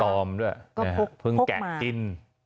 หมดตอมด้วยเพิ่งแกะกิน